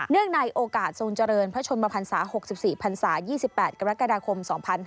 เนื่องในโอกาสส่งเจริญพระชนมภัณฑ์ศาสตร์๖๔ภัณฑ์ศาสตร์๒๘กรกฎาคม๒๕๖๐